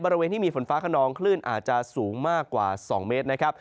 บริเวณที่มีฝนฟ้าขนองคลื่นอาจจะสูงมากกว่า๒เมตรนะครับ